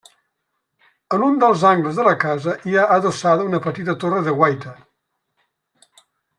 En un dels angles de la casa hi ha adossada una petita torre de guaita.